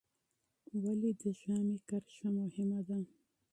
ولې د ژامې کرښه مهمه ده؟